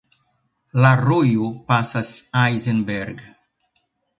La rojo pasas Eisenberg.